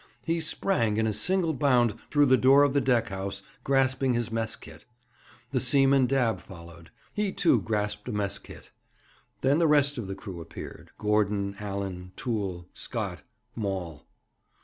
He sprang, in a single bound, through the door of the deck house, grasping his mess kid. The seaman Dabb followed; he, too, grasped a mess kid. Then the rest of the crew appeared Gordon, Allan, Toole, Scott, Maul.